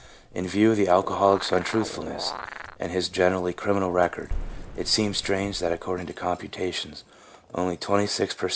In view of the alcoholic's untruthfulness and his generally criminal record, it seems strange that according to computations, only 26 per cent, of the perjurers are alcoholics.